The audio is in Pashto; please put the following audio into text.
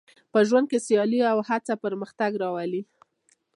په ژوند کې سیالي او هڅه پرمختګ راولي.